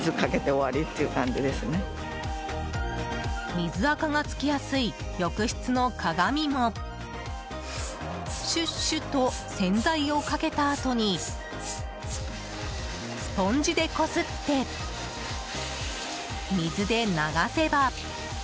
水あかが付きやすい浴室の鏡もシュシュッと洗剤をかけたあとにスポンジでこすって水で流せば。